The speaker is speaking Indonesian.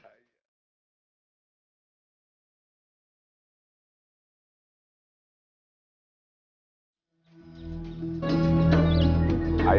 tetap di mana